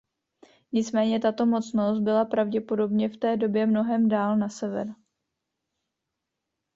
Nicméně tato mocnost byla pravděpodobně v té době mnohem dál na sever.